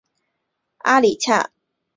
阿里恰。